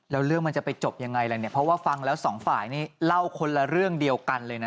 แล้วเรื่องมันจะไปจบยังไงอะไรเนี่ยเพราะว่าฟังแล้วสองฝ่ายนี่เล่าคนละเรื่องเดียวกันเลยนะ